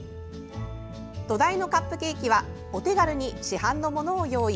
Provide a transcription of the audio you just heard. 土台のカップケーキはお手軽に市販のものを用意。